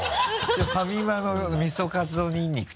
ファミマの「みそかつおにんにく」